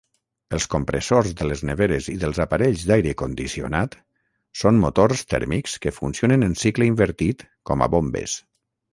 Els compressors de les neveres i dels aparells d'aire condicionat són motors tèrmics que funcionen en cicle invertit com a bombes.